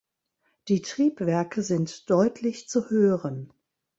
Die Triebwerke sind deutlich zu hören.